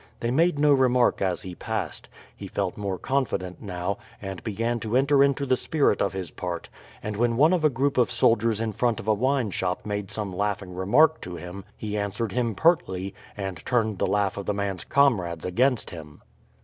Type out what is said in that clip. They made no remark as he passed. He felt more confident now, and began to enter into the spirit of his part; and when one of a group of soldiers in front of a wine shop made some laughing remark to him he answered him pertly, and turned the laugh of the man's comrades against him.